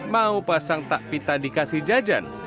mau pasang takpita dikasih jajan